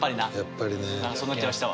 そんな気がしたわ。